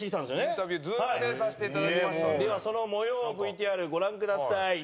ではその模様をＶＴＲご覧ください。